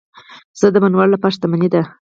پسه د بڼوال لپاره شتمني ده.